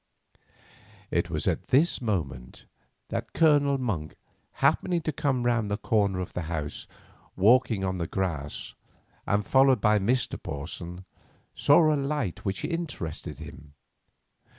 It was at this moment that Colonel Monk, happening to come round the corner of the house, walking on the grass, and followed by Mr. Porson, saw a sight which interested him.